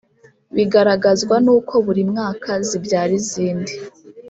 Bigaragazwa nuko buri mwaka zibyara izindi